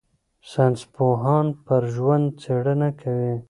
ساینسپوهان پر ژوند څېړنه کوي.